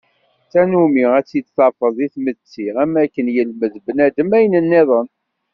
D tannumi ad tt-id-tafeḍ deg tmetti am wakken yelmed bnadem ayen nniḍen.